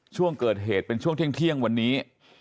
ช่วงเกิดเหตุเป็นช่วงเที่ยงวันนี้